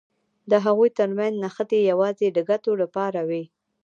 د هغوی تر منځ نښتې یوازې د ګټو لپاره دي.